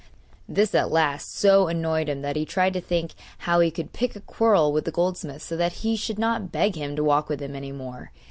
This at last so annoyed him that he tried to think how he could pick a quarrel with the goldsmith, so that he should not beg him to walk with him any more.